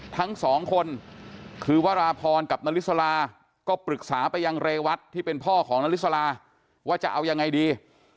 ทั้งสองคนคือวราพรกับนาริสลาก็ปรึกษาไปยังเรวัตที่เป็นพ่อของนาริสลาว่าจะเอายังไงดี